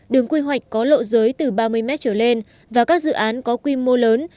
đường quy hoạch có lộ giới từ ba mươi m trở lên và các dự án có quy mô lớn